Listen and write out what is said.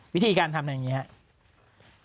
วิธีการทำอย่างนี้ครับ